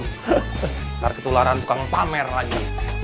karena ketularan tukang pamer lagi